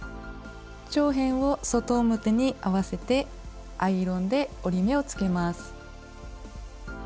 長辺を外表に合わせてアイロンで折り目をつけます。